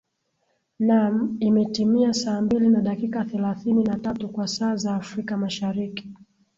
naam imetimia saa mbili na dakika thelathini na tatu kwa saa za afrika mashariki